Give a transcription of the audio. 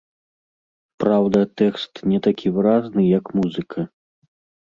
Праўда, тэкст не такі выразны, як музыка.